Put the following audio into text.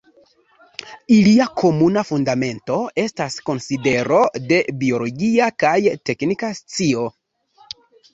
Ilia komuna fundamento estas konsidero de biologia kaj teknika scio.